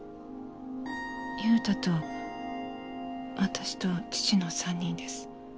優太と私と父の３人です。